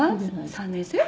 ３年生？」